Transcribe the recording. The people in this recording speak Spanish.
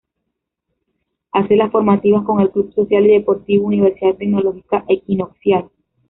Hace las formativas con el Club Social y Deportivo Universidad Tecnológica Equinoccial.